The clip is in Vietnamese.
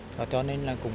rồi cho nên là cũng